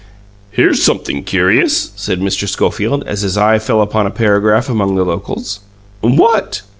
"Here's something curious," said Mr. Schofield, as his eye fell upon a paragraph among the "locals." "What?"